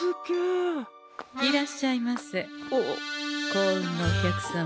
幸運のお客様